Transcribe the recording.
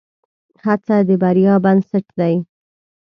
هڅه د بریا بنسټ دی.